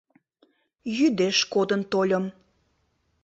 — Йӱдеш кодын тольым.